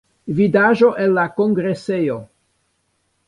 Vidaĵo el la kongresejo.